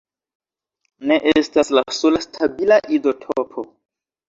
Na estas la sola stabila izotopo.